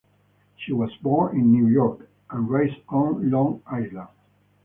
She was born in New York and raised on Long Island.